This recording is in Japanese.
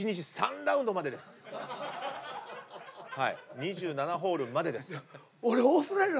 ２７ホールまでです。